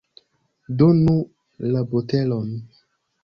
Donu la botelon!